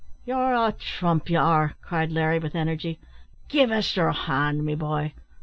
"You're a trump, you are!" cried Larry, with energy; "give us your hand, me boy!